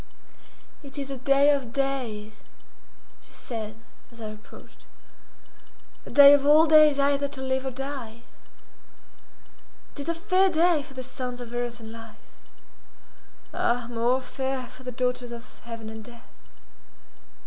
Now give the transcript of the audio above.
"It is a day of days," she said, as I approached; "a day of all days either to live or die. It is a fair day for the sons of earth and life—ah, more fair for the daughters of heaven and death!"